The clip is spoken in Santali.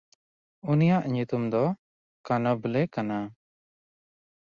ᱩᱱᱤᱭᱟᱜ ᱧᱩᱛᱩᱢ ᱫᱚ ᱠᱟᱱᱚᱵᱞᱮ ᱠᱟᱱᱟ᱾